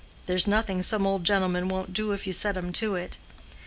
There's nothing some old gentlemen won't do if you set 'em to it."